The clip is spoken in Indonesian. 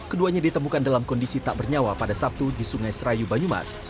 keduanya ditemukan dalam kondisi tak bernyawa pada sabtu di sungai serayu banyumas